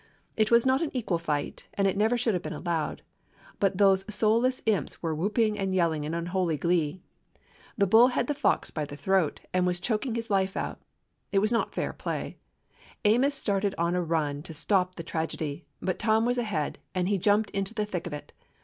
It was not an equal fight, and it never should have been allowed; but those soulless imps were whooping and yelling in unholy glee. The bull had the fox by the throat, and 239 DOG HEROES OF MANY LANDS was choking his life out. It was not fair play. Amos started on a run to stop the tragedy; but Tom was ahead, and he jumped into the thick of it.